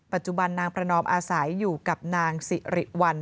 ปัจจุบันนางประนอมอาศัยอยู่กับนางสิริวัล